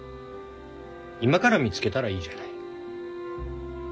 今から見つけたらいいじゃない。